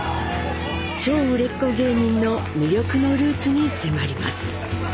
超売れっ子芸人の魅力のルーツに迫ります。